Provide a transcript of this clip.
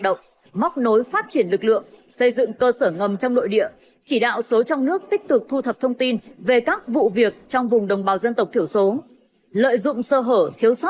để mạnh móc nối vào trong nước để phục hồi lại tổ chức phản động đội lốt tôn giáo